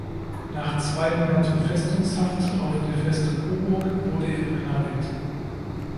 Nach zwei Monaten Festungshaft auf der Veste Coburg wurde er begnadigt.